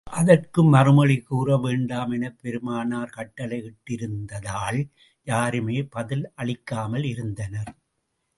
அதற்கு மறுமொழி கூற வேண்டாம் எனப் பெருமானார் கட்டளை இட்டிருந்ததால், யாருமே பதில் அளிக்காமல் இருந்தனர்.